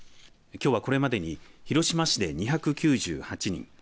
きょうはこれまでに広島市で２９８人